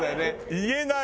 言えない。